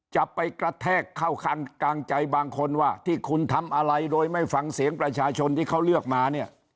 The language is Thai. จะไปกระแทกเข้าข้างกลางใจบางคนว่าที่คุณทำอะไรโดยไม่ฟังเสียงประชาชนที่เขาเลือกมาเนี่ย